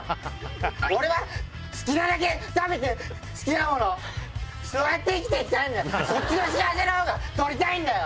俺は好きなだけ食べて、好きなもの、そうやって生きてきたんだ、そっちの幸せのほうが取りたいんだよ。